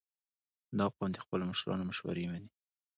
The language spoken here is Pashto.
• دا قوم د خپلو مشرانو مشورې منې.